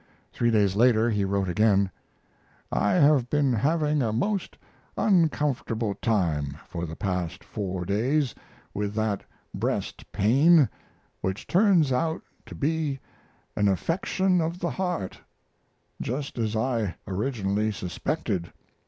Three days later he wrote again: I have been having a most uncomfortable time for the past four days with that breast pain, which turns out to be an affection of the heart, just as I originally suspected.